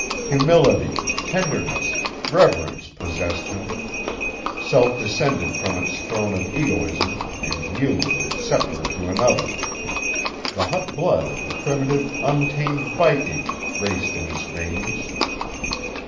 Humility, tenderness, reverence possessed him; self descended from its throne of egoism and yielded its scepter to another; the hot blood of the primitive, untamed Viking raced in his veins.